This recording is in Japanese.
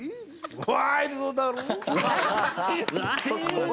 ワイルドだろぉ？